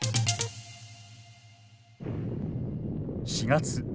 ４月。